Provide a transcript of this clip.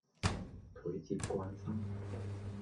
佢接慣生